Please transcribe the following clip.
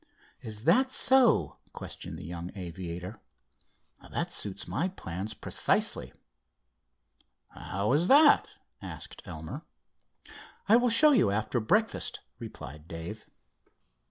"Is that so?" questioned the young aviator. "That suits my plans precisely." "How is that?" asked Elmer. "I will show you after breakfast," replied Dave.